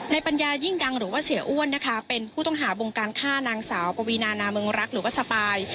ปัญญายิ่งดังหรือว่าเสียอ้วนนะคะเป็นผู้ต้องหาบงการฆ่านางสาวปวีนานาเมืองรักหรือว่าสปาย